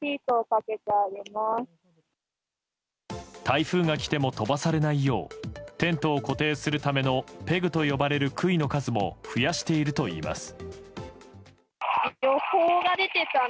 台風が来ても飛ばされないようテントを固定するためのペグと呼ばれる杭の数も増やしているといいます。